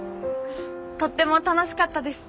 とっても楽しかったです。